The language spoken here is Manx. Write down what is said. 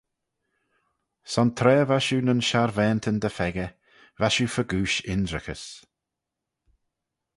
Son tra va shiu nyn sharvaantyn dy pheccah, va shiu fegooish ynrickys.